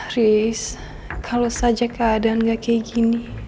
chris kalau saja keadaan gak kayak gini